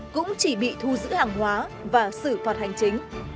cũng chỉ bị thu giữ hàng hóa và xử phạt hành chính